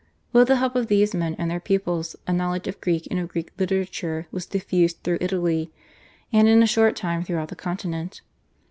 With the help of these men and their pupils a knowledge of Greek and of Greek literature was diffused through Italy, and in a short time throughout the Continent.